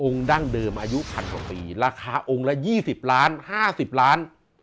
องค์ดั้งเดิมอายุพันธุ์ปีราคาองค์ละ๒๐ล้านห้าสิบล้าน